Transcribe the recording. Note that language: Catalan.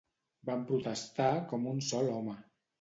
Van protestar com un sol home.